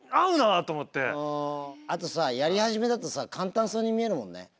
あとさやり始めだとさ簡単そうに見えるもんね。